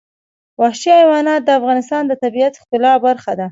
وحشي حیوانات د افغانستان د طبیعت د ښکلا برخه ده.